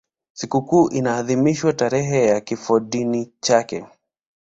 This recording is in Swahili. Sikukuu inaadhimishwa tarehe ya kifodini chake.